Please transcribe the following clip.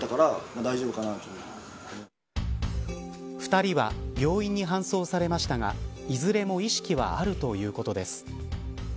２人は病院に搬送されましたがいずれも意識はあるということです。